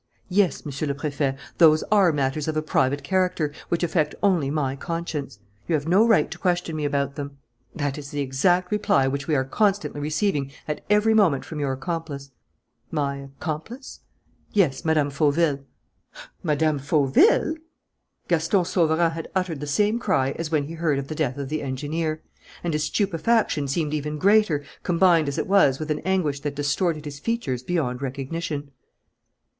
"Yes, Monsieur le Préfet, those are matters of a private character, which affect only my conscience. You have no right to question me about them." "That is the exact reply which we are constantly receiving at every moment from your accomplice." "My accomplice?" "Yes, Mme. Fauville." "Mme. Fauville!" Gaston Sauverand had uttered the same cry as when he heard of the death of the engineer; and his stupefaction seemed even greater, combined as it was with an anguish that distorted his features beyond recognition.